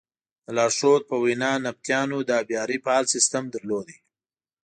د لارښود په وینا نبطیانو د ابیارۍ فعال سیسټم درلود.